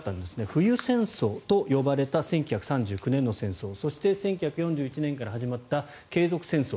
冬戦争と呼ばれた１９３９年の戦争そして１９４１年から始まった継続戦争。